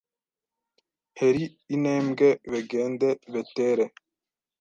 heri intembwe begende betere